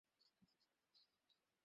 মিথ্যে বলেছে আমাদের।